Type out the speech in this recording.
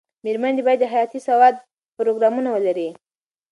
مېرمنې باید د حياتي سواد پروګرامونه ولري.